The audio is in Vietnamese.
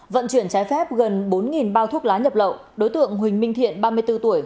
vận chuyển trái phép gần bốn bao thuốc lá nhập lậu đối tượng huỳnh minh thiện ba mươi bốn tuổi